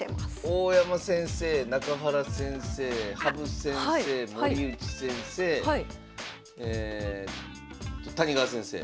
大山先生中原先生羽生先生森内先生谷川先生。